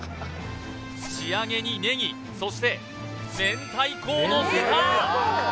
仕上げにネギそして明太子をのせた！